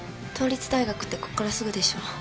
東律大学ってこっからすぐでしょ？